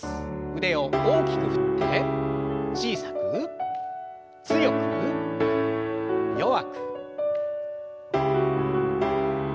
腕を大きく振って小さく強く弱く。